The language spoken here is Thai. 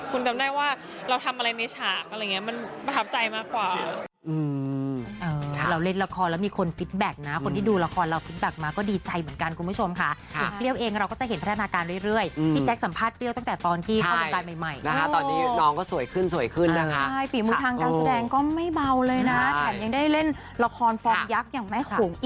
คุณจำได้ว่าเราทำอะไรในฉากมันประทับใจมากกว่า